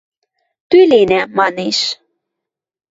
– Тӱленӓ, – манеш.